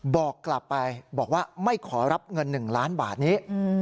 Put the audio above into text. บอกกลับไปบอกว่าไม่ขอรับเงิน๑ล้านบาทนี้